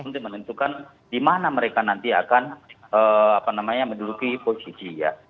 untuk menentukan di mana mereka nanti akan menduduki posisi ya